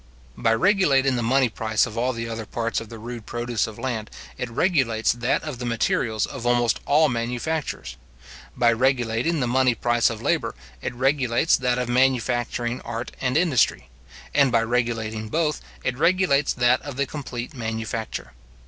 By regulating the money price of all the other parts of the rude produce of land, it regulates that of the materials of almost all manufactures; by regulating the money price of labour, it regulates that of manufacturing art and industry; and by regulating both, it regulates that of the complete manufacture.